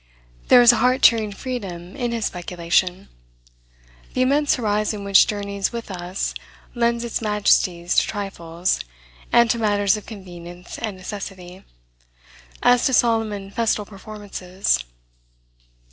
There is a heart cheering freedom in his speculation. The immense horizon which journeys with us lends its majesties to trifles, and to matters of convenience and necessity, as to solemn and festal performances.